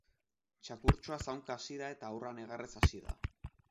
Txakurtxoa zaunka hasi da eta haurra negarrez hasi da.